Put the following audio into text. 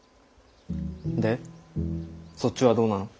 でそっちはどうなの？